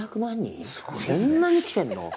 そんなに来てんの？